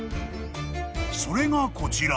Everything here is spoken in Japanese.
［それがこちら］